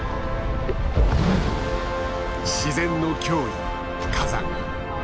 自然の脅威火山。